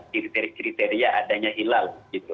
kriteria kriteria adanya hilal